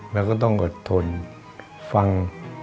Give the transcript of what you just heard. แล้วก็ต้องอดทนฟัง